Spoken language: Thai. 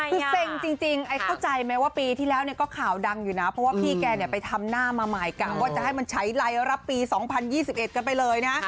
คือเซ็งจริงเข้าใจไหมว่าปีที่แล้วก็ข่าวดังอยู่นะเพราะว่าพี่แกเนี่ยไปทำหน้ามาใหม่กะว่าจะให้มันใช้ไรรับปี๒๐๒๑กันไปเลยนะ